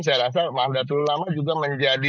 saya rasa nada terulama juga menjadi